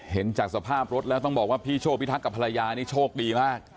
เห็นจากสภาพรถแล้วต้องบอกว่าพี่โชคพิทักษ์กับภรรยานี่โชคดีมาก